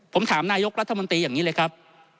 ผมถามนายกรัฐมนตรีอย่างนี้เลยครับ